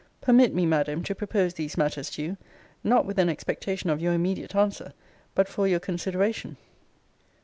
Permit me, Madam, to propose these matters to you not with an expectation of your immediate answer; but for your consideration.